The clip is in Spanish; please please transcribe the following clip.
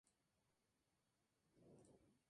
Es la cota más alta de la Sierra del Escudo.